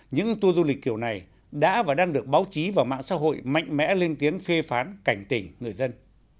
những tour du lịch kiểu này đã và đang được báo chí và mạng xã hội mạnh mẽ lên tiếng phê phán cảnh tỉnh người dân